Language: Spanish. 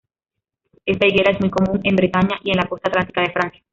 Esta higuera es muy común en Bretaña y en la costa atlántica de Francia.